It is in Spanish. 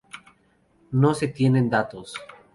No se tienen datos.